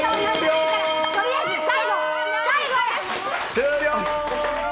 終了！